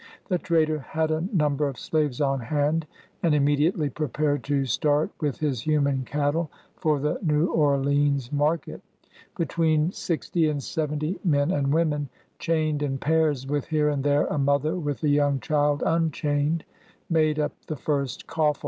The trader had a number of slaves on hand, and immediately prepared to start with his human cattle for the New Orleans market. Between sixty and seventy men and women, chained in pairs, with here and there a mother with a young child unchained, made up the first coffle.